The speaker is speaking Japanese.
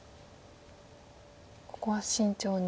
ここは慎重に。